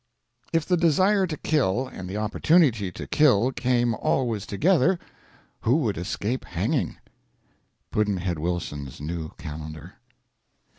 If the desire to kill and the opportunity to kill came always together, who would escape hanging. Pudd'nhead Wilson's New Calendar.